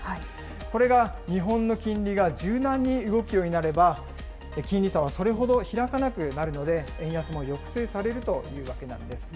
これが日本の金利が柔軟に動くようになれば、金利差はそれほど開かなくなるので、円安も抑制されるというわけなんです。